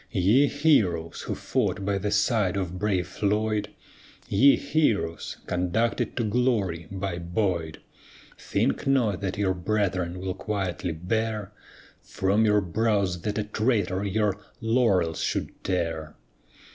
Ye heroes who fought by the side of brave Floyd, Ye heroes, conducted to glory by Boyd, Think not that your brethren will quietly bear, From your brows that a traitor your laurels should tear.